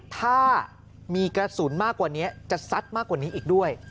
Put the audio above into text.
ถ้ามีกระสุนมากกว่านี้จะซัดมากกว่านี้อีกด้วย